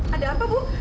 ada apa bu